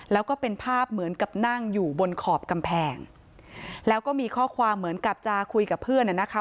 แล้วก็มีข้อความเหมือนกับจะคุยกับเพื่อนนะคะ